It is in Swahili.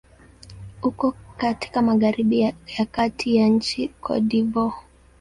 Uko katika magharibi ya kati ya nchi Cote d'Ivoire.